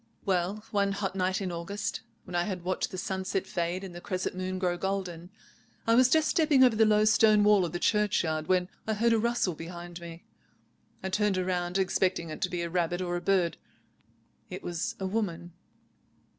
"Well, one hot night in August, when I had watched the sunset fade and the crescent moon grow golden, I was just stepping over the low stone wall of the churchyard when I heard a rustle behind me. I turned round, expecting it to be a rabbit or a bird. It was a woman."